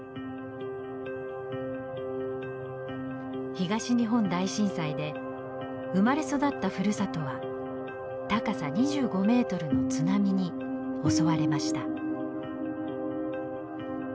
東日本大震災で生まれ育ったふるさとは高さ２５メートルの津波に襲われました。